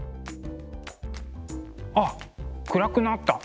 あっ暗くなった。